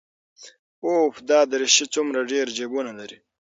اوف دا دريشي څومره ډېر جيبونه لري.